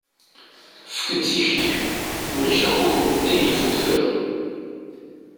Efk-d tiktik, ulac akukru dayen yeffuk tura.